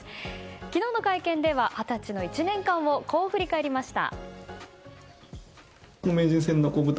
昨日の会見では二十歳の１年間をこう振り返りました。